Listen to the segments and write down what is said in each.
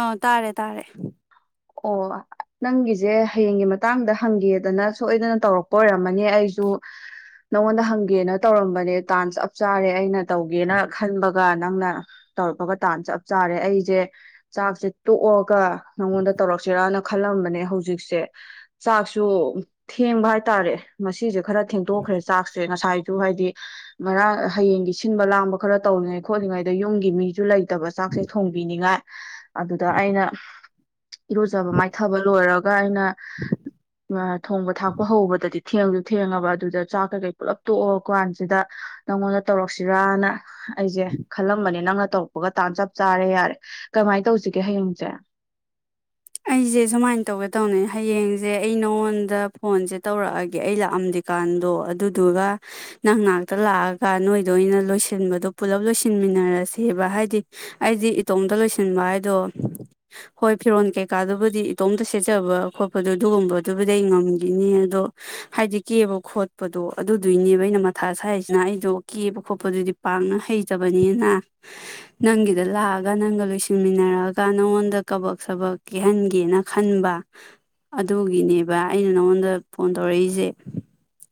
ꯑꯥ ꯇꯥꯔꯦ ꯇꯥꯔꯦ ꯑꯣ ꯅꯪꯒꯤꯁꯦ ꯍꯌꯦꯡꯒꯤ ꯃꯇꯥꯡꯗ ꯍꯪꯒꯦꯗꯅ ꯁꯣꯏꯗꯅ ꯇꯧꯔꯛꯄ ꯑꯣꯏꯔꯝꯃꯅꯤ ꯑꯩꯁꯨ ꯅꯪꯉꯣꯟꯗ ꯍꯪꯒꯦꯅ ꯇꯧꯔꯝꯕꯅꯦ ꯗꯥꯟꯁ ꯆꯞ ꯆꯥꯔꯦ ꯑꯩꯅ ꯇꯧꯒꯦꯅ ꯈꯟꯕꯒ ꯅꯪꯅ ꯇꯧꯔꯛꯄꯒ ꯗꯥꯟꯁ ꯆꯞ ꯆꯥꯔꯦ ꯑꯩꯁꯦ ꯆꯥꯛꯁꯦ ꯇꯣꯛꯑꯒ ꯅꯥꯉꯣꯟꯗꯥ ꯈ ꯍꯧꯖꯤ ꯆ ꯊ ꯍꯥꯏꯇꯥꯔꯦ ꯈꯔ ꯊꯦꯡꯗꯣꯛꯈ꯭ꯔꯦ ꯆꯥꯛꯁꯦ ꯉꯁꯥꯏ ꯁꯨ ꯍꯥꯏꯗꯤ ꯃꯔꯥꯡ ꯍꯌꯦꯡꯒꯤ ꯁꯤꯟꯕ ꯂꯥꯡꯕ ꯈꯔ ꯇꯧꯔꯤꯉꯩ ꯈꯣꯠꯂꯤꯉꯩꯗ ꯌꯨꯝꯒꯤ ꯃꯤꯁꯨ ꯂꯩ ꯐꯠꯇꯕ ꯆꯥꯛꯁꯦ ꯊꯣꯡꯕꯤꯅꯤꯉꯥꯏ ꯑꯗꯨꯗ ꯑꯩꯅ ꯏꯔꯨꯖꯕ ꯃꯥꯏꯊꯕ ꯂꯣꯏꯔꯒ ꯑꯩꯅ ꯊꯣꯡꯕ ꯊꯥꯛꯄ ꯍꯧꯕꯗꯗꯤ ꯊꯦꯡꯗꯨ ꯊꯦꯡꯉꯕ ꯑꯗꯨꯗ ꯆꯥꯛ ꯀꯩꯀꯩ ꯄꯨꯜꯂꯞ ꯇꯣꯛꯑꯣ ꯀꯥꯟꯁꯤꯗ ꯅꯪꯉꯣꯟꯗ ꯇꯧꯔꯛꯁꯤꯔꯅ ꯑꯩꯁꯦ ꯈꯜꯂꯝꯕꯅꯦ ꯅꯪꯅ ꯇꯧꯔꯛꯄꯒ ꯇꯥꯟ ꯆꯞ ꯆꯥꯔꯦ ꯌꯥꯔꯦ ꯀꯃꯥꯏꯅ ꯇꯧꯁꯤꯒꯦ ꯍꯌꯦꯡꯁꯦ ꯑꯩꯁꯦ ꯁꯨꯃꯥꯏꯅ ꯇꯧꯒꯦ ꯇꯧꯅꯤ ꯍꯌꯦꯡꯁꯦ ꯑꯩ ꯅꯉꯣꯟꯗ ꯐꯣꯟꯁꯦ ꯇꯧꯔꯛꯑꯒꯦ ꯑꯩ ꯂꯥꯛꯑꯝꯗꯦꯀꯥꯟꯗꯣ ꯑꯗꯨꯗꯨꯒ ꯅꯪꯅꯥꯛꯇ ꯂꯥꯛꯑꯒꯥꯟ ꯅꯣꯏꯗꯣ ꯑꯩꯅ ꯂꯣꯏꯁꯤꯟꯕꯗꯣ ꯄꯨꯜꯂꯞ ꯂꯣꯏꯁꯤꯟꯃꯤꯟꯅꯔꯁꯦꯕ ꯍꯥꯏꯗꯤ ꯑꯩꯗꯤ ꯏꯇꯣꯝꯇ ꯂꯣꯏꯁꯤꯟꯕ ꯍꯥꯏꯗꯣ ꯍꯣꯏ ꯐꯤꯔꯣꯜ ꯀꯩ ꯀꯩꯀꯥꯗꯨꯕꯨꯗꯤ ꯏꯇꯣꯝꯇ ꯁꯦꯠꯆꯕ ꯈꯣꯠꯄꯗꯣ ꯑꯗꯨꯒꯨꯝꯕꯗꯨꯕꯨꯗꯤ ꯑꯩ ꯉꯝꯈꯤꯅꯤ ꯑꯗꯣ ꯍꯥꯏꯗꯤ ꯀꯦꯕ ꯈꯣꯠꯄꯗꯣ ꯑꯗꯨꯗꯨꯏꯅꯦꯕ ꯑꯩꯅ ꯃꯊꯥ ꯁꯥꯏꯔꯤꯁꯤꯅ ꯑꯩꯗꯣ ꯀꯦꯕ ꯈꯣꯠꯄꯗꯨꯗꯤ ꯄꯥꯛꯅ ꯍꯩꯖꯕꯅꯤꯅ ꯅꯪꯒꯤꯗ ꯂꯥꯛꯑꯒ ꯅꯪꯒ ꯂꯣꯏꯁꯤꯟꯃꯤꯟꯅꯔꯛꯑꯒ ꯅꯪꯉꯣꯟꯗ ꯀꯕꯛ ꯁꯕꯛ ꯀꯦꯍꯟꯒꯦꯅ ꯈꯟꯕ ꯑꯗꯨꯒꯤꯅꯦꯕ ꯑꯩꯅ ꯅꯪꯉꯣꯟꯗ ꯐꯣꯟ ꯇꯧꯔꯛꯏꯁꯦ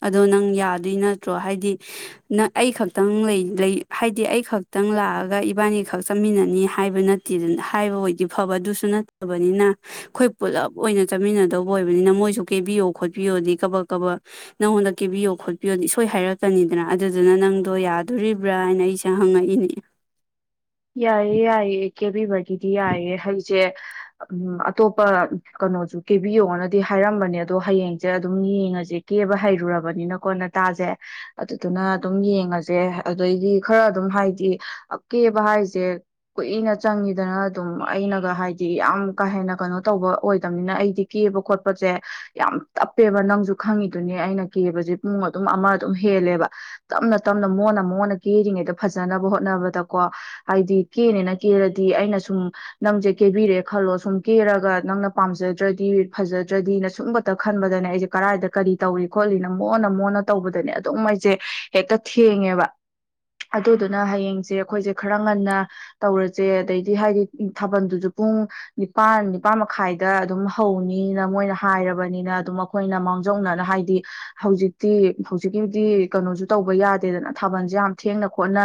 ꯑꯗꯣ ꯅꯪ ꯌꯥꯗꯣꯏ ꯅꯠꯇ꯭ꯔꯣ ꯍꯥꯏꯗꯤ ꯅꯪ ꯑꯩ ꯈꯛꯇꯪ ꯂꯩ ꯍꯥꯏꯗꯤ ꯑꯩ ꯈꯛꯇꯪ ꯂꯥꯛꯑꯒ ꯏꯕꯥꯅꯤ ꯈꯛ ꯆꯠꯃꯤꯟꯅꯅꯤ ꯍꯥꯏꯕ ꯅꯠꯇꯦ ꯑꯗꯨ ꯍꯥꯏꯕ ꯑꯣꯏꯗꯤ ꯐꯕ ꯑꯗꯨꯁꯨ ꯅ ꯕꯅꯤꯅ ꯑꯩꯈꯣꯏ ꯄꯨꯜꯂꯞ ꯑꯣꯏꯅ ꯆꯠꯃꯤꯟꯅꯗꯧꯕ ꯑꯣꯏꯕꯅꯤꯅ ꯃꯣꯏꯁꯨ ꯀꯦꯕꯤꯌꯣ ꯈꯣꯠꯄꯤꯌꯣꯗꯤ ꯀꯕꯛ ꯀꯕꯛ ꯅꯪꯉꯣꯟꯗ ꯀꯦꯕꯤꯌꯣ ꯈꯣꯠꯄꯤꯌꯣꯗꯤ ꯏꯁꯣꯏ ꯍꯥꯏꯔꯛꯀꯅꯤꯗꯅ ꯑꯗꯨꯗꯨꯅ ꯅꯪꯗꯣ ꯌꯥꯗꯣꯔꯤꯕ꯭ꯔꯥ ꯍꯥꯏꯅ ꯑꯩꯁꯦ ꯍꯪꯉꯛꯏꯅꯦ ꯌꯥꯏꯌꯦꯦ ꯌꯥꯏꯌꯦ ꯀꯦꯕꯤꯕꯒꯤꯗꯤ ꯌꯥꯏꯑ ꯍꯩꯁꯦ ꯑꯇꯣꯞꯄ ꯀꯩꯅꯣꯁꯨ ꯀꯦꯕꯤꯌꯣꯅꯗꯤ ꯍꯥꯏꯔꯝꯕꯅꯦ ꯑꯗꯣ ꯍꯌꯦꯡꯁꯦ ꯑꯗꯨꯝ ꯌꯦꯡꯉꯁꯦ ꯀꯦꯕ ꯍꯩꯔꯨꯔꯕꯅꯤꯅꯀꯣ ꯅꯇꯥꯁꯦ ꯑꯗꯨꯗꯨꯅ ꯑꯗꯨꯝ ꯌꯦꯡꯉꯁꯦ ꯑꯗꯩꯗꯤ ꯈꯔ ꯑꯗꯨꯝ ꯍꯥꯏꯗꯤꯦ ꯍꯥꯏꯁꯦ ꯀꯨꯏꯅ ꯆꯪꯉꯤꯗꯅ ꯑꯗꯨꯝ ꯑꯩꯅꯒ ꯍꯥꯏꯗꯤ ꯌꯥꯝ ꯀꯥ ꯍꯦꯟꯅ ꯀꯩꯅꯣ ꯇꯧꯕ ꯑꯣꯏꯗꯕꯅꯤꯅ ꯑꯩꯗꯤ ꯀꯦꯕ ꯈꯣꯠꯄꯁꯦ ꯌꯥꯝ ꯇꯞꯄꯦꯕ ꯅꯪꯁꯨ ꯈꯪꯉꯤꯗꯨꯅꯦ ꯑꯩꯅ ꯀꯦꯕꯁꯦ ꯄꯨꯡ ꯑꯗꯨꯝ ꯑꯃ ꯑꯗꯨꯝ ꯍꯦꯜꯂꯦꯕ ꯇꯞꯅ ꯇꯞꯅ ꯃꯉꯣꯟꯅ ꯃꯉꯣꯟꯅ ꯀꯦꯔꯤꯉꯩꯗ ꯐꯖꯅꯕ ꯍꯣꯠꯅꯕꯗ ꯀꯣ ꯍꯥꯏꯗꯤ ꯀꯦꯅꯦꯅ ꯀꯦꯔꯗꯤ ꯑꯩꯅ ꯁꯨꯝ ꯅꯪꯁꯦ ꯀꯦꯕꯤꯔꯦ ꯈꯜꯂꯣ ꯁꯨꯝ ꯀꯦꯔꯒ ꯅꯪꯅ ꯄꯥꯝꯖꯗ꯭ꯔꯗꯤ ꯐꯖꯗ꯭ꯔꯗꯤꯅ ꯁꯨꯝꯕꯇ ꯈꯟꯕꯗꯅꯦ ꯑꯩꯁꯦ ꯀꯗꯥꯥꯏꯗ ꯀꯔꯤ ꯇꯧꯔꯤ ꯈꯣꯠꯂꯤꯅ ꯃꯣꯟꯅ ꯃꯣꯟꯅ ꯇꯧꯕꯗꯅꯦ ꯑꯗꯨꯝ ꯑꯩꯁꯦ ꯍꯦꯛꯇ ꯊꯦꯡꯉꯦꯕ ꯑꯗꯨꯗꯨꯅ ꯍꯌꯦꯡꯁꯦ ꯑꯩꯈꯣꯏꯁꯦ ꯈꯔ ꯉꯟꯅ ꯇꯧꯔꯁꯦ ꯑꯗꯩꯗꯤ ꯍꯥꯏꯗꯤ ꯊꯥꯕꯜꯗꯨꯁꯨ ꯄꯨꯡ ꯅꯤꯄꯥꯥꯟ ꯅꯤꯄꯥꯜ ꯃꯈꯥꯏꯗ ꯑꯗꯨꯝ ꯍꯧꯅꯤꯅ ꯃꯣꯏꯅ ꯍꯥꯏꯔꯕꯅꯤꯅ ꯑꯗꯨꯝ ꯑꯩꯈꯣꯏꯅ ꯃꯥꯡꯖꯧꯅꯅ ꯍꯥꯏꯗꯤ ꯍꯧꯖꯤꯛꯇꯤ ꯍꯧꯖꯤꯛꯀꯤꯗꯤ ꯀꯩꯅꯣꯁꯨ ꯇꯧꯕ ꯌꯥꯗꯦꯗꯅ ꯊꯥꯕꯜꯁꯦ ꯌꯥꯝ ꯊꯦꯡꯅ ꯈꯣꯠꯅ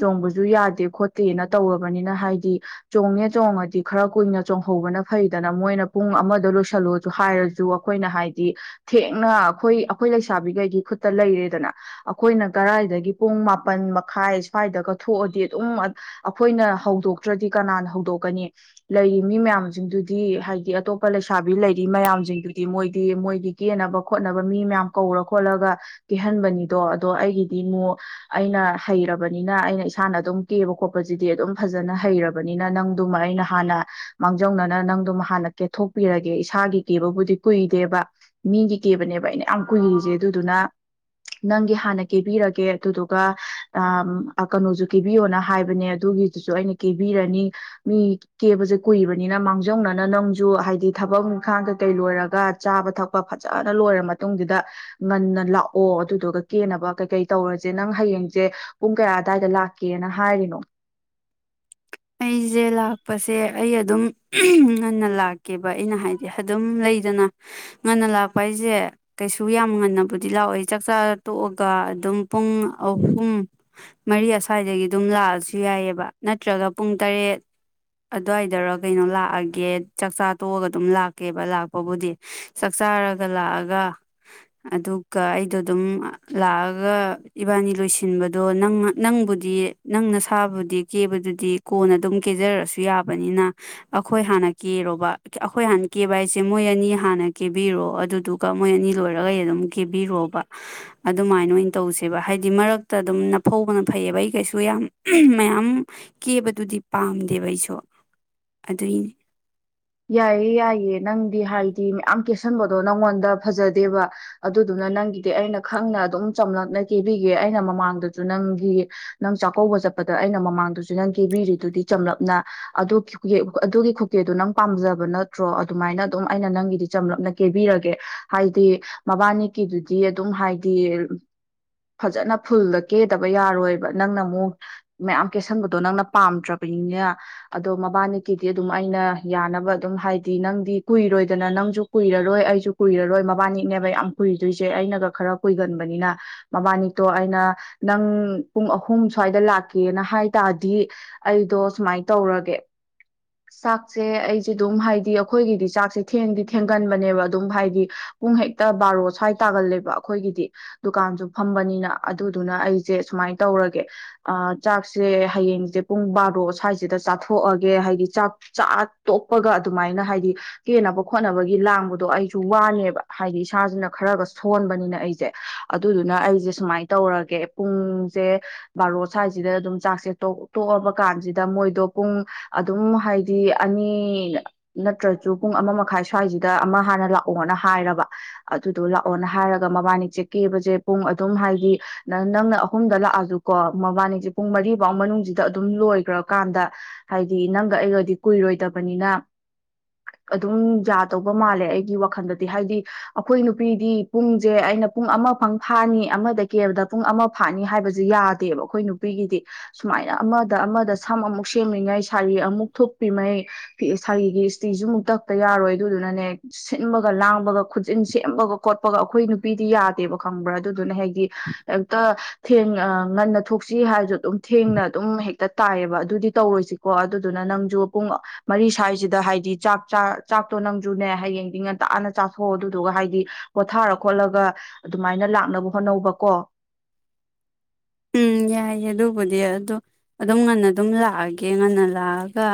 ꯆꯣꯡꯕꯁꯨ ꯁꯨ ꯌꯥꯗꯦ ꯈꯣꯠꯇꯦꯅ ꯇꯧꯔꯕꯅꯤꯅ ꯍꯥꯏꯗꯤ ꯆꯣꯡꯉꯦ ꯆꯣꯡꯉꯗꯤ ꯈꯔ ꯀꯨꯏꯅ ꯆꯣꯡꯍꯧꯕꯅ ꯐꯩꯗꯅ ꯃꯣꯏꯅ ꯄꯨꯡ ꯑꯃꯗ ꯂꯣꯏꯁꯤꯜꯂꯣꯁꯨ ꯍꯥꯏꯔꯁꯨ ꯑꯩꯈꯣꯏꯅ ꯍꯥꯏꯗꯤ ꯊꯦꯡꯅ ꯑꯩꯈꯣꯏ ꯑꯩꯈꯣꯏ ꯂꯩꯁꯥꯕꯤꯈꯩꯒꯤ ꯈꯨꯠꯇ ꯂꯩꯔꯦꯗꯅ ꯑꯩꯈꯣꯏꯅ ꯀꯔꯥꯏꯗꯒꯤ ꯄꯨꯡ ꯃꯥꯄꯟ ꯃꯈꯥꯏ ꯁ꯭ꯋꯥꯏꯗꯒ ꯊꯣꯛꯑꯗꯤ ꯑꯗꯨꯝ ꯑꯩꯈꯣꯏꯅ ꯍꯧꯗꯣꯛꯇ꯭ꯔꯗꯤ ꯀꯅꯥꯅ ꯍꯧꯗꯣꯛꯀꯅꯤ ꯂꯩꯔꯤ ꯃꯤ ꯃꯌꯥꯝꯁꯤꯡꯗꯨꯗꯤ ꯍꯥꯏꯗꯤ ꯑꯇꯣꯞꯄ ꯂꯩꯁꯥꯕꯤ ꯂꯩꯔꯤ ꯃꯌꯥꯝꯁꯤꯡꯗꯨꯗꯤ ꯃꯣꯏꯗꯤ ꯃꯣꯏꯒꯤ ꯀꯦꯅꯕ ꯈꯣꯠꯅꯕ ꯃꯤ ꯃꯌꯥꯝ ꯀꯧꯔ ꯈꯣꯠꯂꯒ ꯀꯦꯍꯟꯕꯅꯤꯗꯣ ꯑꯗꯣ ꯑꯩꯒꯤꯗꯤ ꯑꯃꯨꯛ ꯑꯩꯅ ꯍꯩꯔꯕꯅꯤꯅ ꯑꯩꯅ ꯏꯁꯥꯅ ꯑꯗꯨꯝ ꯀꯦꯕ ꯈꯣꯠꯄꯁꯤꯗꯤ ꯑꯗꯨꯝ ꯐꯖꯅ ꯍꯩꯔꯕꯅꯤꯅ ꯅꯪꯗꯨꯃ ꯑꯩꯅ ꯍꯥꯟꯅ ꯃꯥꯡꯖꯧꯅꯅ ꯅꯪꯗꯨꯃ ꯍꯥꯟꯅ ꯀꯦꯊꯣꯛꯄꯤꯔꯒꯦ ꯏꯁꯥꯒꯤ ꯀꯦꯕꯕꯨꯗꯤ ꯀꯨꯏꯗꯦꯕ ꯃꯤꯒꯤ ꯀꯦꯕꯅꯦꯕ ꯑꯩꯅ ꯌꯥꯝ ꯀꯨꯏꯔꯤꯁꯦ ꯑꯗꯨꯗꯨꯅ ꯅꯪꯒꯤ ꯍꯥꯟꯅ ꯀꯦꯕꯤꯔꯒꯦ ꯑꯗꯨꯗꯨꯒ ꯀꯩꯅꯣꯁꯨ ꯀꯦꯕꯤꯌꯣꯅ ꯍꯥꯏꯕꯅꯦ ꯑꯗꯨꯒꯤꯗꯨꯁꯨ ꯑꯩꯅ ꯀꯦꯕꯤꯔꯅꯤ ꯃꯤ ꯀꯦꯕꯁꯦ ꯀꯨꯏꯕꯅꯤꯅ ꯃꯥꯡꯖꯧꯅꯅ ꯅꯪꯁꯨ ꯍꯥꯏꯗꯤ ꯊꯕꯛ ꯏꯪꯈꯥꯡ ꯀꯩꯀꯩ ꯂꯣꯏꯔꯒ ꯆꯥꯕ ꯊꯛꯄ ꯐꯖꯅ ꯂꯣꯏꯔ ꯃꯇꯨꯡꯗꯨꯗ ꯉꯟꯅ ꯂꯥꯛꯑꯣ ꯑꯗꯨꯗꯨꯒ ꯀꯦꯅꯕ ꯀꯩꯀꯩ ꯇꯧꯔꯁꯦ ꯅꯪ ꯍꯌꯦꯡꯁꯦ ꯄꯨꯡ ꯀꯌꯥ ꯑꯗꯨꯋꯥꯏꯗ ꯀꯦꯅ ꯍꯥꯏꯔꯤꯅꯣ ꯑꯩꯁꯦ ꯂꯥꯛꯄꯁꯦ ꯑꯩ ꯑꯗꯨꯝ ꯉꯟꯅ ꯂꯥꯛꯀꯦꯕ ꯑꯩꯅ ꯍꯥꯏꯗꯤ ꯑꯗꯨꯝ ꯂꯩꯗꯅ ꯉꯟꯅ ꯂꯥꯛꯄ ꯍꯥꯏꯁꯦ ꯀꯩꯁꯨ ꯌꯥꯝ ꯉꯟꯅꯕꯨꯗꯤ ꯂꯥꯛꯑꯣꯏ ꯆꯥꯛꯆꯥ ꯇꯣꯛꯑꯒ ꯑꯗꯨꯝ ꯄꯨꯡ ꯑꯍꯨꯝ ꯃꯔꯤ ꯑꯁ꯭ꯋꯥꯏꯗꯒꯤ ꯑꯗꯨꯝ ꯂꯥꯛꯑꯁꯨ ꯌꯥꯏꯑꯕ ꯅꯠꯇ꯭ꯔꯒ ꯄꯨꯡ ꯇꯔꯦꯠ ꯑꯗꯨꯋꯥꯏꯗꯔ ꯀꯩꯅꯣ ꯂꯥꯛꯑꯒꯦ ꯆꯥꯛꯆꯥ ꯇꯣꯛꯑꯒ ꯑꯗꯨꯝ ꯂꯥꯛꯀꯦꯕ ꯂꯥꯛꯄꯕꯨꯗꯤ ꯆꯥꯛꯆꯥꯔꯒ ꯂꯥꯛꯑꯒ ꯑꯗꯨꯒ ꯑꯩꯗꯣ ꯑꯗꯨꯝ ꯂꯥꯛꯑꯒ ꯏꯕꯥꯅꯤ ꯂꯣꯏꯁꯤꯟꯕꯗꯣ ꯅ ꯅꯪꯕꯨꯗꯤ ꯅꯪꯅ ꯁꯥꯕꯨꯗꯤ ꯀꯦꯕꯗꯨꯗꯤ ꯀꯣꯟꯅ ꯑꯗꯨꯝ ꯀꯦꯖꯔꯁꯨ ꯌꯥꯕꯅꯤꯅ ꯑꯩꯈꯣꯏ ꯍꯥꯟꯅ ꯀꯦꯔꯣꯕ ꯑꯩꯈꯣꯏ ꯍꯥꯟꯅ ꯀꯦꯕ ꯍꯥꯏꯁꯦ ꯃꯣꯏ ꯑꯅꯤ ꯍꯥꯟꯅ ꯀꯦꯕꯤꯔꯣ ꯑꯗꯨꯗꯨꯒ ꯃꯣꯏ ꯑꯅꯤ ꯂꯣꯏꯔꯒꯩ ꯑꯗꯨꯝ ꯀꯦꯕꯤꯔꯣꯕ ꯑꯗꯨꯃꯥꯏꯅ ꯑꯣꯏꯅ ꯇꯧꯁꯦꯕ ꯍꯥꯏꯗꯤ ꯃꯔꯛꯇ ꯑꯗꯨꯝ ꯅꯐꯧꯕꯅ ꯐꯩꯌꯦꯕ ꯑꯩ ꯀꯩꯁꯨ ꯌꯥꯝ ꯃꯌꯥꯝ ꯀꯦꯕꯗꯨꯗꯤ ꯄꯥꯝꯗꯦꯕ ꯑꯩꯁꯨ ꯑꯗꯨꯏꯅꯤ ꯌꯥꯏꯌꯦ ꯌꯥꯏꯌꯦ ꯅꯪꯗꯤ ꯍꯥꯏꯗꯤ ꯃꯌꯥꯝ ꯀꯦꯁꯟꯕꯗꯣ ꯅꯪꯉꯣꯟꯗ ꯐꯖꯗꯦꯕ ꯑꯗꯨꯗꯨꯅ ꯅꯪꯒꯤꯗꯤ ꯑꯩꯅ ꯈꯪꯅ ꯑꯗꯨꯝ ꯆꯝꯂꯞꯅ ꯀꯦꯕꯤꯒꯦ ꯑꯩꯅ ꯃꯃꯥꯡꯗꯁꯨ ꯅꯪꯒꯤ ꯅꯪ ꯆꯥꯛꯀꯧꯕ ꯆꯠꯄꯗ ꯑꯩꯅ ꯃꯃꯥꯡꯗꯁꯨ ꯅꯪ ꯀꯦꯕꯤꯔꯤꯗꯨꯗꯤ ꯆꯝꯂꯞꯅ ꯑꯗꯨ ꯑꯗꯨꯒꯤ ꯈꯨꯀꯦꯗꯣ ꯅꯪ ꯄꯥꯝꯖꯕ ꯅꯠꯇ꯭ꯔꯣ ꯑꯗꯨꯃꯥꯏꯅ ꯑꯗꯨꯝ ꯑꯩꯅ ꯅꯪꯒꯤꯗꯤ ꯆꯝꯂꯞꯅ ꯀꯦꯕꯤꯔꯒꯦ ꯍꯥꯏꯗꯤ ꯃꯕꯥꯅꯤꯀꯤꯗꯨꯗꯤ ꯑꯗꯨꯝ ꯍꯥꯏꯗꯤ ꯐꯖꯅ ꯐꯨꯜꯗ ꯀꯦꯗꯕ ꯌꯥꯔꯣꯏꯕ ꯅꯪꯅ ꯑꯃꯨꯛ ꯃꯌꯥꯝ ꯀꯦꯁꯟꯕꯗꯣ ꯅꯪꯅ ꯄꯥꯝꯗ꯭ꯔꯕꯅꯤꯅ ꯑꯗꯣ ꯃꯕꯥꯅꯤꯀꯤꯗꯤ ꯑꯗꯨꯝ ꯑꯩꯅ ꯌꯥꯅꯕ ꯑꯗꯨꯝ ꯍꯥꯏꯗꯤ ꯅꯪꯗꯤ ꯀꯨꯏꯔꯣꯏꯗꯅ ꯅꯪꯁꯨ ꯀꯨꯏꯔꯔꯣꯏ ꯑꯩꯁꯨ ꯀꯨꯏꯔꯔꯣꯏ ꯃꯕꯥꯅꯤꯅꯦꯕ ꯌꯥꯝ ꯀꯨꯏꯗꯣꯏꯁꯦ ꯑꯩꯅꯒ ꯈꯔ ꯀꯨꯏꯒꯟꯕꯅꯤꯅ ꯃꯕꯥꯅꯤꯛꯇꯣ ꯑꯩꯅ ꯅꯪ ꯄꯨꯡ ꯑꯍꯨꯝ ꯁ꯭ꯋꯥꯏꯗ ꯂꯥꯛꯀꯦꯅ ꯍꯥꯏ ꯇꯥꯔꯗꯤ ꯑꯩꯗꯣ ꯁꯨꯃꯥꯏ ꯇꯧꯔꯒꯦ ꯆꯥꯛ ꯆꯥꯛꯁꯦ ꯑꯩꯁꯦ ꯑꯗꯨꯝ ꯍꯥꯏꯗꯤ ꯑꯩꯈꯣꯏꯒꯤꯗꯤ ꯆꯥꯛꯁꯦ ꯊꯦꯡꯗꯤ ꯊꯦꯡꯒꯟꯕꯅꯦꯕ ꯑꯗꯨꯝ ꯍꯥꯏꯗꯤ ꯄꯨꯡ ꯍꯦꯛꯇ ꯕꯥꯔꯣ ꯁ꯭ꯋꯥꯏ ꯇꯥꯒꯜꯂꯦꯕ ꯑꯩꯈꯣꯏꯒꯤꯗꯤ ꯗꯨꯀꯥꯟꯁꯨ ꯐꯝꯕꯅꯤꯅ ꯑꯗꯨꯗꯨꯅ ꯑꯩꯁꯦ ꯁꯨꯃꯥꯏꯅ ꯇꯧꯔꯒꯦ ꯆꯥꯛꯁꯦ ꯍꯌꯦꯡꯁꯦ ꯄꯨꯡ ꯕꯥꯔꯣ ꯁ꯭ꯋꯥꯏꯁꯤꯗ ꯆꯥꯊꯣꯛꯑꯒꯦ ꯍꯥꯏꯗꯤ ꯆꯥꯛ ꯆꯥ ꯇꯣꯛꯄꯒ ꯑꯗꯨꯃꯥꯏꯅ ꯍꯥꯏꯗꯤ ꯀꯦꯅꯕ ꯈꯣꯠꯅꯕꯒꯤ ꯂꯥꯡꯕꯗꯣ ꯑꯩꯁꯨ ꯋꯥꯅꯦꯕ ꯍꯥꯏꯗꯤ ꯏꯁꯥꯁꯤꯅ ꯈꯔꯒ ꯁꯣꯟꯕꯅꯤꯅ ꯑꯩꯁꯦ ꯑꯗꯨꯗꯨꯅ ꯑꯩꯁꯦ ꯁꯨꯃꯥꯏꯅ ꯇꯧꯔꯒꯦ ꯄꯨꯡꯁꯦ ꯕꯥꯔꯣ ꯁ꯭ꯋꯥꯏꯁꯤꯗ ꯑꯗꯨꯝ ꯆꯥꯛꯁꯦ ꯇꯣꯛꯑꯕ ꯀꯥꯟꯁꯤꯗ ꯃꯣꯏꯗꯣ ꯄꯨꯡ ꯑꯗꯨꯝ ꯍꯥꯏꯗꯤ ꯁꯤ ꯑꯅꯤ ꯅꯠꯇ꯭ꯔꯁꯨ ꯄꯨꯡ ꯑꯃ ꯃꯈꯥꯏ ꯁ꯭ꯋꯥꯏꯁꯤꯗ ꯑꯃ ꯍꯥꯟꯅ ꯂꯥꯛꯑꯣꯅ ꯍꯥꯏꯔꯕ ꯑꯗꯨꯗꯣ ꯂꯥꯛꯑꯣꯅ ꯍꯥꯏꯔꯒ ꯃꯕꯥꯅꯤꯁꯦ ꯀꯦꯕꯁꯦ ꯄꯨꯡ ꯑꯗꯨꯝ ꯍꯥꯏꯗꯤ ꯅꯪ ꯅꯪꯅ ꯑꯍꯨꯝꯗ ꯂꯥꯛꯑꯁꯨꯀꯣ ꯃꯕꯥꯅꯤꯁꯦ ꯄꯨꯡ ꯃꯔꯤꯐꯥꯎ ꯃꯅꯨꯡꯁꯤꯗ ꯑꯗꯨꯝ ꯂꯣꯏꯈ꯭ꯔꯀꯥꯟꯗ ꯍꯥꯏꯗꯤ ꯅꯪꯒ ꯑꯩꯒꯗꯤ ꯀꯨꯏꯔꯣꯏꯗꯕꯅꯤꯅ ꯑꯗꯨꯝ ꯌꯥꯗꯧꯕ ꯃꯥꯜꯂꯦ ꯑꯩꯒꯤ ꯋꯥꯈꯜꯗꯗꯤ ꯍꯥꯏꯗꯤ ꯑꯩꯈꯣꯏ ꯅꯨꯄꯤꯗꯤ ꯄꯨꯡꯁꯦ ꯑꯩꯅ ꯄꯨꯡ ꯑꯃ ꯐꯪ ꯐꯥꯅꯤ ꯑꯃꯗ ꯀꯦꯕꯗ ꯄꯨꯡ ꯑꯃ ꯐꯥꯅꯤ ꯍꯥꯏꯕꯁꯦ ꯌꯥꯗꯦꯕ ꯑꯩꯈꯣꯏ ꯅꯨꯄꯤꯒꯤꯗꯤ ꯁꯨꯃꯥꯏꯅ ꯑꯃꯗ ꯑꯃꯗ ꯁꯝ ꯑꯃꯨꯛ ꯁꯦꯝꯃꯤꯉꯩ ꯁꯥꯔꯤ ꯑꯃꯨꯛ ꯐꯤꯃꯩ ꯏꯁꯒꯤꯒꯤ ꯏꯁꯇꯤꯁꯨ ꯑꯃꯨꯛ ꯇꯛꯇ ꯌꯥꯔꯣꯏ ꯑꯗꯨꯗꯨꯅꯅꯦ ꯁꯤꯟꯕꯒ ꯂꯥꯡꯕꯒ ꯈꯨꯖꯤꯟ ꯁꯦꯝꯕꯒ ꯈꯣꯠꯄꯒ ꯑꯩꯈꯣꯏ ꯅꯨꯄꯤꯗꯤ ꯌꯥꯗꯦꯕ ꯈꯪꯕ꯭ꯔꯥ ꯑꯗꯨꯗꯨꯅ ꯍꯥꯏꯗꯤ ꯑꯝꯇ ꯊꯦꯡ ꯉꯟꯅ ꯊꯣꯛꯁꯤ ꯍꯥꯏꯁꯨ ꯑꯗꯨꯝ ꯊꯦꯡꯅ ꯑꯗꯨꯝ ꯍꯦꯛ ꯇ ꯇꯥꯏꯌꯦꯕ ꯑꯗꯨꯗꯤ ꯇꯧꯔꯣꯏꯁꯤꯀꯣ ꯑꯗꯨꯗꯨꯅ ꯅꯪꯁꯨ ꯄꯨꯡ ꯃꯔꯤ ꯁ꯭ꯋꯥꯏꯁꯤꯗ ꯍꯥꯏꯗꯤ ꯆꯥꯛ ꯆꯥꯛꯇꯣ ꯅꯪꯁꯨꯅꯦ ꯍꯌꯦꯡꯗꯤ ꯉ ꯇꯥꯑꯅ ꯆꯥꯊꯣꯛꯑꯣ ꯑꯗꯨꯗꯨꯒ ꯍꯥꯏꯗꯤ ꯄꯣꯊꯥꯔ ꯈꯣꯠꯂꯒ ꯑꯗꯨꯃꯥꯏꯅ ꯂꯥꯛꯅꯕ ꯍꯣꯠꯅꯧꯕꯀꯣ ꯎꯝ ꯌꯥꯏꯌꯦ ꯑꯗꯨꯕꯨꯗꯤ ꯑꯣ ꯑꯗꯨꯝ ꯉꯟꯅ ꯑꯗꯨꯝ ꯂꯥꯛꯑꯒꯦ ꯉꯟꯅ ꯂꯥꯛꯑꯒ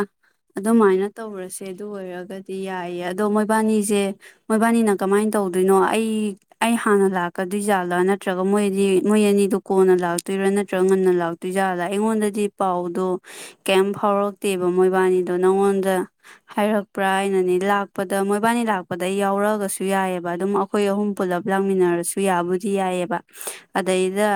ꯑꯗꯨꯃꯥꯏꯅ ꯇꯧꯔꯁꯦ ꯑꯗꯨ ꯑꯣꯏꯔꯒꯗꯤ ꯌꯥꯏꯌꯦ ꯑꯗꯣ ꯃꯣꯏꯕꯥꯅꯤꯁꯦ ꯃꯣꯏꯕꯥꯅꯤꯅ ꯀꯃꯥꯏꯅ ꯇꯧꯗꯣꯏꯅꯣ ꯑꯩ ꯑꯩ ꯍꯥꯟꯅ ꯂꯥꯛꯀꯗꯣꯏꯖꯥꯠꯂꯥ ꯅꯠꯇ꯭ꯔꯒ ꯃꯣꯏꯗꯤ ꯃꯣꯏ ꯑꯅꯤꯗꯨ ꯀꯣꯟꯅ ꯂ ꯂꯥꯛꯇꯣꯏꯔꯥ ꯅꯠꯇ꯭ꯔꯒ ꯉꯟꯅ ꯂꯥꯛꯇꯣꯏꯖꯥꯠꯂ ꯑꯩꯉꯣꯟꯗꯗꯤ ꯄꯥꯎꯗꯣ ꯀꯩꯝ ꯐꯥꯎꯔꯛꯇꯦꯕ ꯃꯣꯏꯕꯥꯅꯤꯗꯣ ꯅꯪꯉꯣꯟꯗ ꯍꯥꯏꯔꯛꯄ꯭ꯔꯥ ꯍꯥꯏꯅꯅꯦ ꯂꯥꯛꯄꯗ ꯃꯣꯏꯕꯥꯅꯤ ꯂꯥꯛꯄꯗ ꯑꯩ ꯌꯥꯎꯔꯛꯑꯒꯁꯨ ꯌꯥꯏꯑꯕ ꯑꯗꯨꯝ ꯑꯩꯈꯣꯏ ꯑꯍꯨꯝ ꯄꯨꯂꯞ ꯂꯥꯡꯃꯤꯟꯅꯔꯁꯨ ꯌꯥꯕꯨꯗꯤ ꯌꯥꯏꯑꯕ ꯑꯗꯩꯗ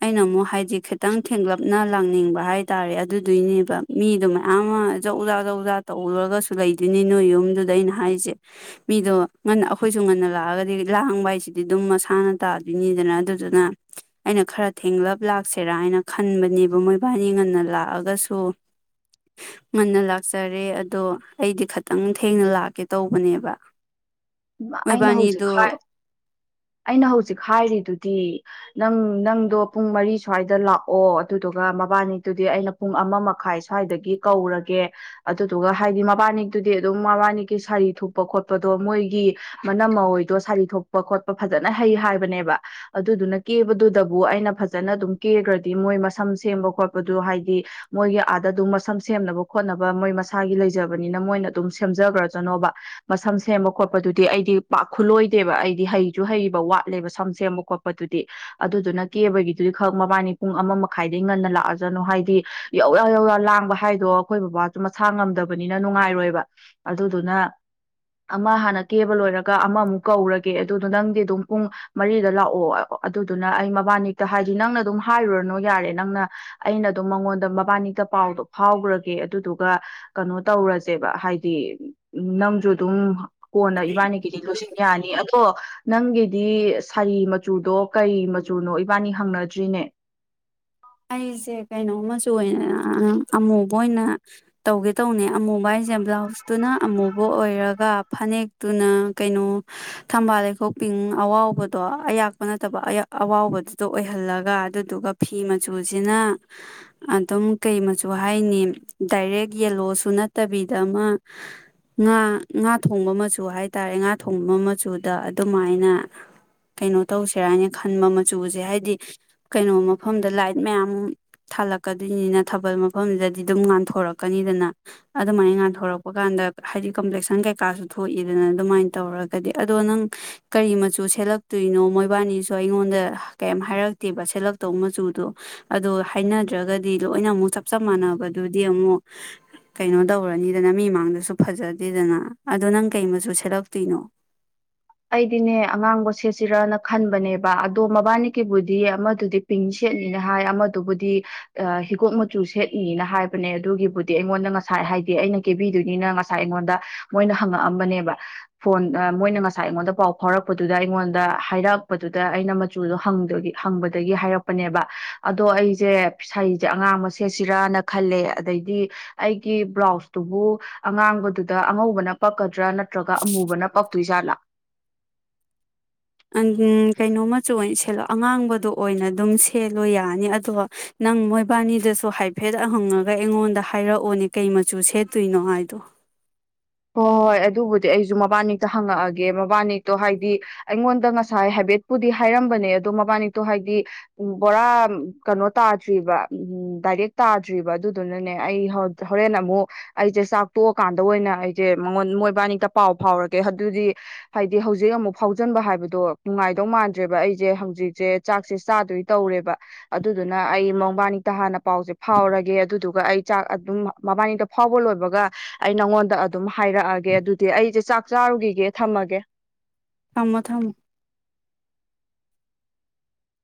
ꯑꯩꯅ ꯑꯃꯨꯛ ꯍꯥꯏꯗꯤ ꯈꯤꯇꯪ ꯊꯦꯡꯂꯞꯅ ꯂꯥꯡꯅꯤꯡꯕ ꯍꯥꯏꯇꯥꯔꯦ ꯑꯗꯨꯗꯨꯏꯅꯦꯕ ꯃꯤꯗꯣ ꯃꯌꯥꯝ ꯑꯃ ꯖꯧ ꯖꯥ ꯖꯧꯖꯥ ꯇꯧꯔꯒꯁꯨ ꯂꯩꯗꯣꯏꯅꯤ ꯅꯣꯏ ꯌꯨꯝꯗꯨꯗ ꯑꯩꯅ ꯍꯥꯏꯔꯤꯁꯦ ꯃꯤꯗꯣ ꯉꯟꯅ ꯑꯩꯈꯣꯏꯁꯨ ꯉꯟꯅ ꯂꯥꯛꯑꯒꯗꯤ ꯂꯥꯡꯕ ꯍꯥꯏꯁꯤꯗꯤ ꯑꯗꯨꯝ ꯃꯁꯥꯅ ꯇꯥꯗꯣꯏꯅꯤꯗꯅ ꯑꯗꯨꯗꯨꯅ ꯑꯩꯅ ꯈꯔ ꯊꯦꯡꯂꯞ ꯂꯥꯛꯁꯦꯔꯥ ꯍꯥꯏꯅ ꯈꯟꯕꯅꯦꯕ ꯃꯣꯏꯕꯥꯅꯤ ꯉꯟꯅ ꯂꯥꯛꯑꯒꯁꯨ ꯉꯟꯅ ꯂꯥꯛꯆꯔꯦ ꯑꯗꯣ ꯑꯩꯗꯤ ꯈꯤꯇꯪ ꯊꯦꯡꯅ ꯂꯥꯛꯀꯦ ꯇꯧꯕꯅꯦꯕ ꯑꯩꯅ ꯍꯧꯖꯤꯛ ꯍꯥꯏ ꯃꯣꯏꯕꯥꯅꯤꯗꯣ ꯑꯩꯅ ꯍꯧꯖꯤꯛ ꯍꯥꯏꯔꯤꯗꯨꯗꯤ ꯅꯪ ꯅꯪꯗꯣ ꯄꯨꯡ ꯃꯔꯤ ꯁ꯭ꯋꯥꯏꯗ ꯂꯥꯛꯑꯣ ꯑꯗꯨꯗꯨꯒ ꯃꯕꯥꯅꯤꯛꯇꯨꯗꯤ ꯑꯩꯅ ꯄꯨꯡ ꯑꯃ ꯃꯈꯥꯏ ꯁ꯭ꯋꯥꯏꯗꯒꯤ ꯀꯧꯔꯒꯦ ꯑꯗꯨꯗꯨꯒ ꯍꯥꯏꯗꯤ ꯃꯕꯥꯅꯤꯛꯇꯨꯗꯤ ꯑꯗꯨꯝ ꯃꯕꯥꯅꯤꯀꯤ ꯁꯥꯔꯤ ꯊꯨꯄ ꯈꯣꯠꯄꯗꯣ ꯃꯣꯏ ꯒꯤ ꯃꯅꯝ ꯃꯔꯏꯗꯣ ꯁꯥꯔꯤ ꯊꯣꯛꯄ ꯈꯣꯠꯄ ꯐꯖꯅ ꯍꯩ ꯍꯥꯏꯕꯅꯦꯕ ꯑꯗꯨꯗꯨꯅ ꯀꯦꯕꯗꯨꯗꯕꯨ ꯑꯩꯅ ꯐꯖꯅ ꯑꯗꯨꯝ ꯀꯦꯈ꯭ꯔꯗꯤ ꯃꯣꯏ ꯃꯁꯝ ꯁꯦꯝꯕ ꯈꯣꯠꯄꯗ ꯍꯥꯏꯗꯤ ꯃꯣꯏꯒꯤ ꯑꯥꯗ ꯑꯗꯨꯝ ꯃꯁꯝ ꯁꯦꯝꯅꯕ ꯈꯣꯠꯅꯕ ꯃꯣꯏ ꯃꯁꯥꯒꯤ ꯂꯩꯖꯕꯅꯤꯅ ꯃꯣꯏꯅ ꯑꯗꯨꯝ ꯁꯦꯝꯖꯈ꯭ꯔꯖꯅꯣꯕ ꯃꯁꯝ ꯁꯦꯝꯕ ꯈꯣꯠꯄꯗꯨꯗꯤ ꯑꯩꯗꯤ ꯄꯥꯛ ꯈꯨꯜꯂꯣꯏꯗꯦꯕ ꯑꯩꯗꯤ ꯍꯩꯁꯨ ꯍꯩꯕ ꯋꯥꯠꯂꯦꯕ ꯁꯝ ꯁꯦꯝꯕ ꯈꯣꯠꯄꯗꯨꯗꯤ ꯑꯗꯨꯗꯨꯅ ꯀꯦꯕꯒꯤꯗꯨꯗꯤ ꯈꯛ ꯃꯕꯥꯅꯤ ꯄꯨꯡ ꯑꯃ ꯃꯈꯥꯏꯗꯩ ꯉꯟꯅ ꯂꯥꯛꯑꯖꯅꯨ ꯍꯥꯏꯗꯤ ꯌꯧꯔ ꯌꯧꯔ ꯂꯥꯡꯕ ꯍꯥꯏꯗꯣ ꯑꯩꯈꯣꯏ ꯕꯕꯥꯁꯨ ꯃꯁꯥ ꯉꯝꯗꯕꯅꯤꯅ ꯅꯨꯡꯉꯥꯏꯔꯣꯏꯕ ꯑꯗꯨꯗꯨꯅ ꯑꯃ ꯍꯥꯟꯅ ꯀꯦꯕ ꯂꯣꯏꯔꯒ ꯑꯃꯃꯨꯛ ꯀꯧꯔꯒꯦ ꯑꯗꯨꯗꯣ ꯅꯪꯗꯤ ꯑꯗꯨꯝ ꯄꯨꯡ ꯃꯔꯤꯗ ꯂꯥꯛꯑꯣ ꯑꯗꯨꯗꯨꯅ ꯑꯩ ꯃꯕꯥꯅꯤꯛꯇ ꯍꯥꯏꯗꯤ ꯅꯪꯅ ꯑꯗꯨꯝ ꯍꯥꯏꯔꯨꯔꯅꯣ ꯌꯥꯔꯦ ꯅꯪꯅ ꯑꯩꯅ ꯑꯗꯨꯝ ꯃꯉꯣꯟꯗ ꯃꯕꯥꯅꯤꯛꯇ ꯄꯥꯎꯗꯣ ꯐꯥꯎꯈ꯭ꯔꯒꯦ ꯑꯗꯨꯗꯨꯒ ꯀꯩꯅꯣ ꯇꯧꯔꯁꯦꯕ ꯍꯥꯏꯗꯤ ꯅꯪꯁꯨ ꯑꯗꯨꯝ ꯀꯣꯟꯅ ꯏꯕꯥꯅꯤꯒꯤꯗꯤ ꯂꯣꯏꯁꯤꯟ ꯌꯥꯅꯤ ꯑꯗꯣ ꯀꯣ ꯅꯪꯒꯤꯗꯤ ꯁꯥꯔꯤ ꯃꯆꯨꯗꯣ ꯀꯔꯤ ꯃꯆꯨꯅꯣ ꯏꯕꯥꯅꯤ ꯍꯪꯅꯗ꯭ꯔꯤꯅꯦ꯫ ꯑꯩꯁꯦ ꯀꯩꯅꯣ ꯃꯆꯨ ꯑꯣꯏꯅ ꯑꯃꯨꯕ ꯑꯣꯏꯅ ꯇꯧꯒꯦ ꯇꯧꯅꯦ ꯑꯃꯨꯕ ꯍꯥꯏꯁꯦ ꯕ꯭ꯂꯥꯎꯁꯇꯨꯅ ꯑꯃꯨꯕ ꯑꯣꯏꯔꯒ ꯐꯅꯦꯛꯇꯨꯅ ꯀꯩꯅꯣ ꯊꯝꯕꯥꯜ ꯂꯩꯈꯣꯛ ꯄꯤꯡ ꯑꯋꯥꯥꯎꯕꯗꯣ ꯑꯌꯥꯛꯄ ꯅꯠꯇꯕ ꯑꯋꯥꯥꯎꯕꯗꯨꯗꯣ ꯑꯣꯏꯍꯜꯂꯒ ꯑꯗꯨꯗꯨꯒ ꯐꯤ ꯃ ꯃꯆꯨꯁꯤꯅ ꯑꯗꯨꯝ ꯀꯩ ꯃꯆꯨ ꯍꯥꯏꯅꯤ ꯗꯥꯏꯔꯦꯛ ꯌꯦꯂꯣꯁꯨ ꯅꯠꯇꯕꯤꯗ ꯑꯃ ꯉꯥ ꯉꯥ ꯊꯣꯡꯕ ꯃꯆꯨ ꯍꯥꯏꯇꯥꯔꯦ ꯉꯥ ꯊꯣꯡꯕ ꯃꯆꯨꯗ ꯑꯗꯨꯃꯥꯏꯅ ꯀꯩꯅꯣ ꯇꯧꯁꯦꯔꯥꯅ ꯈꯟꯕ ꯃꯆꯨꯁꯦ ꯍꯥꯏꯗꯤ ꯀꯩꯅꯣ ꯃꯐꯝꯗ ꯂꯥꯏꯠ ꯃꯌꯥꯝ ꯊꯥꯜꯂꯛꯀꯗꯣꯏꯅꯤꯅ ꯊꯥꯕꯜ ꯃꯐꯝꯁꯤꯗꯗꯤ ꯑꯗꯨꯝ ꯉꯥꯟꯊꯣꯔꯛꯀꯅꯤꯗꯅ ꯑꯗꯨꯃꯥꯏꯅ ꯉꯥꯟꯊꯣꯔꯛꯄ ꯀꯥꯟꯗ ꯍꯥꯏꯗꯤ ꯀꯝꯄ꯭ꯂꯦꯛꯁꯟ ꯀꯩꯀꯥꯁꯨ ꯊꯣꯛꯏꯗꯅ ꯑꯗꯨꯃꯥꯏꯅ ꯇꯧꯔꯒꯗꯤ ꯑꯗꯣ ꯅꯪ ꯀꯔꯤ ꯃꯆꯨ ꯁꯦꯠꯂꯛꯇꯣꯏꯅꯣ ꯃꯣꯏꯕꯥꯅꯤꯁꯨ ꯑꯩꯉꯣꯟꯗ ꯀꯩꯝ ꯍꯥꯏꯔꯛꯇꯦꯕ ꯁꯦꯠꯂꯛꯇꯧꯕ ꯃꯆꯨꯗꯣ꯫ ꯑꯗꯣ ꯍꯥꯏꯅꯗ꯭ꯔꯒꯗꯤ ꯂꯣꯏꯅ ꯑꯃꯨꯛ ꯆꯞ ꯆꯞ ꯃꯥꯟꯅꯕꯗꯨꯗꯤ ꯑꯃꯨꯛ ꯀꯩꯅꯣ ꯇꯧꯔꯅꯤꯗꯅ ꯃꯤ ꯃꯃꯥꯡꯗꯁꯨ ꯐꯖꯗꯦꯗꯅ ꯑꯗꯣ ꯅꯪ ꯀꯩ ꯃꯆꯨ ꯁꯦꯠꯂꯛꯇꯣꯏꯅꯣ? ꯑꯩꯗꯤꯅꯦ ꯑꯉꯥꯡꯕ ꯁꯦꯠꯁꯤꯔꯅ ꯈꯟꯕꯅꯦꯕ ꯑꯗꯣ ꯃꯕꯥꯅꯤꯀꯤꯕꯨꯗꯤ ꯑꯃꯗꯨꯗꯤ ꯄꯤꯡ ꯁꯦꯠꯅꯤꯅ ꯍꯥꯏ ꯑꯃꯗꯨꯕꯨꯗꯤ ꯍꯤꯒꯣꯛ ꯃꯆꯨ ꯁꯦꯠꯅꯤꯅ ꯍꯥꯏꯕꯅꯦ ꯑꯗꯨꯒꯤꯕꯨꯗꯤ ꯑꯩꯉꯣꯟꯗ ꯉꯁꯥꯏ ꯍꯥꯏꯗꯤ ꯑꯩꯅ ꯀꯦꯕꯤꯗꯣꯏꯅꯤꯅ ꯉꯁꯥꯏ ꯑꯩꯉꯣꯟꯗ ꯃꯣꯏꯅ ꯍꯪꯉꯛꯑꯝꯕꯅꯦꯕ ꯐꯣꯟ ꯃꯣꯏꯅ ꯉꯁꯥꯏ ꯉꯁꯥꯏ ꯑꯩꯉꯣꯟꯗ ꯄꯥꯎ ꯐꯥꯎꯔꯛꯄꯗꯨꯗ ꯑꯩꯉꯣꯟꯗ ꯍꯥꯏꯔꯛꯄꯗꯨꯗ ꯑꯩꯅ ꯃꯆꯨꯗꯣ ꯍꯪꯕꯗꯒꯤ ꯍꯥꯏꯔꯛꯄꯅꯦꯕ ꯑꯗꯣ ꯑꯩꯁꯦ ꯁꯔꯤꯖꯦ ꯑꯉꯥꯡꯕ ꯁꯦꯠꯁꯤꯔꯥꯅ ꯈꯜꯂꯦ ꯑꯗꯩꯗꯤ ꯑꯩꯒꯤ ꯕ꯭ꯂꯥꯎꯁꯇꯨꯕꯨ ꯑꯉꯥꯡꯕꯗꯨꯗ ꯑꯉꯧꯕꯅ ꯄꯛꯀꯗ꯭ꯔꯥ ꯅꯠꯇ꯭ꯔꯒ ꯑꯃꯨꯕꯅ ꯄꯛꯇꯣꯏꯖꯥꯠꯂꯥ? ꯀꯩꯅꯣ ꯃꯆꯨ ꯑꯣꯏꯅ ꯁꯦꯠꯂꯣ ꯑꯉꯥꯡꯕꯗꯣ ꯑꯣꯏꯅ ꯑꯗꯨꯝ ꯁꯦꯠꯂꯣ ꯌꯥꯅꯤ ꯑꯗꯣ ꯅꯪ ꯃꯣꯏꯕꯥꯅꯤꯗꯁꯨ ꯍꯥꯏꯐꯦꯠ ꯍꯪꯉꯒ ꯑꯩꯉꯣꯟꯗ ꯍꯥꯏꯔꯛꯑꯣꯅꯦ ꯀꯩ ꯃꯆꯨ ꯁꯦꯠꯇꯣꯏꯅꯣ ꯍꯥꯏꯗꯣ꯫ ꯍꯣꯏ- ꯍꯣꯏ ꯑꯗꯨꯕꯨꯗꯤ ꯑꯩꯁꯨ ꯃꯕꯥꯅꯤꯇ ꯍꯪꯉꯛꯑꯒꯦ ꯃꯕꯥꯅꯤꯛꯗꯣ ꯍꯥꯏꯗꯤ ꯑꯩꯉꯣꯟꯗ ꯉꯁꯥꯏ ꯍꯥꯏꯕꯦꯠꯄꯨꯗꯤ ꯍꯥꯏꯔꯝꯕꯅꯦ ꯑꯗꯣ ꯃꯕꯥꯅꯤꯛꯇꯣ ꯍꯥꯏꯗꯤ ꯕꯣꯔꯥ ꯀꯩꯅꯣ ꯇꯥꯗ꯭ꯔꯤꯕ ꯎꯝ ꯗꯥꯏꯔꯦꯛ ꯇꯥꯗ꯭ꯔꯤꯕ ꯑꯗꯨꯗꯨꯅꯅꯦ ꯑꯩ ꯍꯣꯔꯦꯟ ꯑꯃꯨꯛ ꯑꯩꯁꯦ ꯆꯥꯛ ꯇꯣꯛꯑꯀꯥꯟꯗ ꯑꯣꯏꯅ ꯁꯦ ꯃꯉꯣꯟ ꯃꯣꯏꯕꯥꯅꯤꯛꯇ ꯄꯥꯎ ꯐꯥꯎꯔꯒꯦ ꯑꯗꯨꯗꯤ ꯍꯥꯏꯗꯤ ꯍꯧꯖꯤꯛ ꯑꯃꯨꯛ ꯐꯥꯎꯖꯟꯕ ꯍꯥꯏꯕꯗꯣ ꯅꯨꯡꯉꯥꯏꯗꯧ ꯃꯥꯟꯗ꯭ꯔꯦꯕ ꯑꯩꯁꯦ ꯍꯧꯖꯤꯛꯁꯦ ꯆꯥꯛꯁꯦ ꯆꯥꯗꯣꯏ ꯇꯧꯔꯦꯕ ꯑꯗꯨꯗꯨꯅ ꯑꯩ ꯃꯣꯕꯥꯅꯤꯛꯇ ꯍꯥꯟꯅ ꯄꯥꯎꯁꯦ ꯐꯥꯎꯔꯒꯦ ꯑꯗꯨꯗꯨꯒ ꯑꯩ ꯆꯥꯛ ꯑꯗꯨꯝ ꯃꯕꯥꯅꯤꯛꯇ ꯐꯥꯎꯕ ꯂꯣꯏꯕꯒ ꯑꯩ ꯅꯉꯣꯟꯗ ꯑꯗꯨꯝ ꯍꯥꯏꯔꯛꯑꯒꯦ ꯑꯗꯨꯗꯤ ꯑꯩꯁꯦ ꯆꯥꯛ ꯆꯥꯔꯨꯈꯤꯒꯦ ꯊꯝꯃꯒꯦ꯫ ꯊꯝꯃꯣ ꯊꯝꯃꯣ